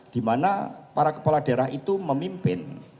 dimana para kepala daerah itu memimpin